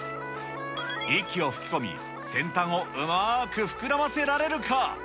息を吹き込み、先端をうまーく膨らませられるか？